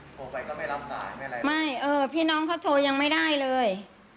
โทรไปก็ไม่รับสายไม่อะไรไม่เออพี่น้องเขาโทรยังไม่ได้เลย